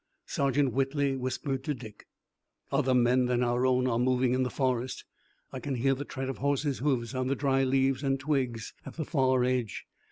Sergeant Whitley whispered to Dick: "Other men than our own are moving in the forest. I can hear the tread of horses' hoofs on the dry leaves and twigs at the far edge.